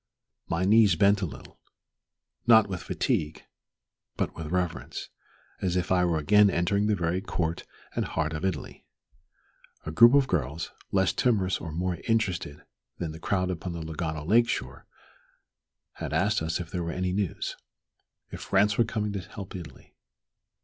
My knees bent a little, not with fatigue, but with reverence, as if I were again entering the very court and heart of Italy. A group of girls, less timorous or more interested than the crowd upon the Lugano Lake shore, asked us if there were any news if France were coming to help Italy.